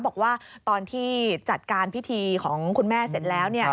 บอกว่าตอนที่จัดการพิธีของคุณแม่เสร็จแล้ว